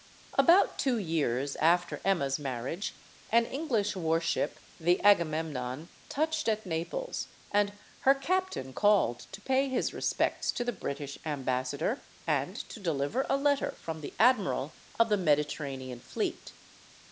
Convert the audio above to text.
About two years after Emma's marriage, an English warship, the Agamemnon, touched at Naples, and her captain called to pay his respects to the British am bassador and to deliver a letter from the admiral of the Mediterranean fleet.